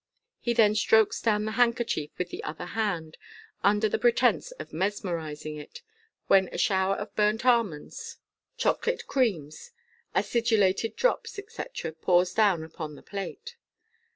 He then strokes down the handkerchief with the other hand, under the pre tence of mesmerising it, when a shower of burnt almonds, chocolate 252 MODERN MAGTC. creams, acidulated drops, etc., pours down upon the plate.